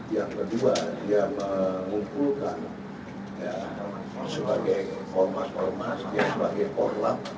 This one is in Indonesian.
yang kedua dia mengumpulkan sebagai kormas kormas sebagai korlam